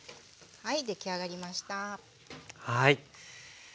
はい。